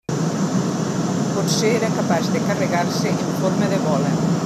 Potser era capaç de carregar-se en forma de bola.